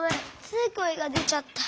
ついこえがでちゃった。